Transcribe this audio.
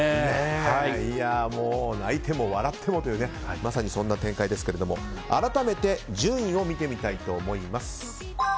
もう泣いても笑ってもというまさにそんな展開ですが改めて順位を見ていきます。